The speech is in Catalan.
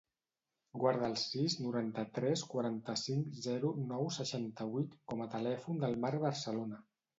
Guarda el sis, noranta-tres, quaranta-cinc, zero, nou, seixanta-vuit com a telèfon del Mark Barcelona.